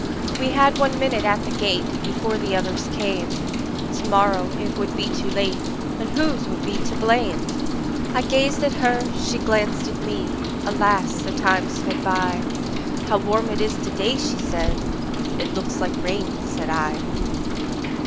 We had one minute at the gate, Before the others came; To morrow it would be too late, And whose would be the blame!I gazed at her, she glanced at me; Alas! the time sped by:"How warm it is to day!" said she;"It looks like rain," said I.